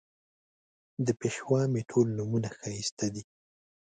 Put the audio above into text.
د پېشوا مې ټول نومونه ښایسته دي